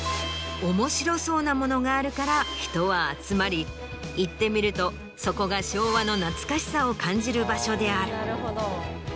面白そうなものがあるから人は集まり行ってみるとそこが昭和の懐かしさを感じる場所である。